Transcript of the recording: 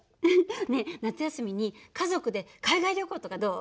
ねえ夏休みに家族で海外旅行とかどう？